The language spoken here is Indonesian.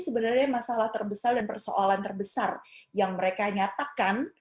sebenarnya masalah terbesar dan persoalan terbesar yang mereka nyatakan